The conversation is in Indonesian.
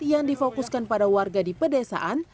yang difokuskan pada warga di pedesaan